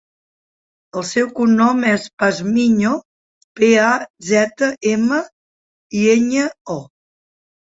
El seu cognom és Pazmiño: pe, a, zeta, ema, i, enya, o.